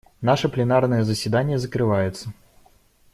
Наше пленарное заседание закрывается.